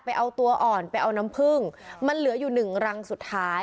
เอาตัวอ่อนไปเอาน้ำผึ้งมันเหลืออยู่หนึ่งรังสุดท้าย